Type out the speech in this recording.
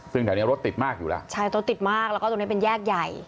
ซึ่งแถวนี้รถติดมากอยู่แล้วใช่รถติดมากแล้วก็ตรงเนี้ยเป็นแยกใหญ่